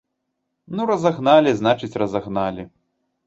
Ну разагналі, значыць разагналі.